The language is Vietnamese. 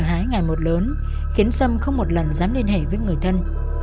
nỗi sợ hãi ngày một lớn khiến xâm không một lần dám liên hệ với người thân